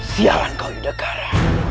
sialan kau yudhikara